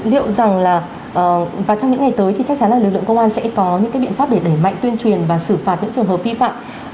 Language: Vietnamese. liệu rằng là trong những ngày tới thì chắc chắn là lực lượng công an sẽ có những cái biện pháp để đẩy mạnh tuyên truyền và xử phạt những trường hợp vi phạm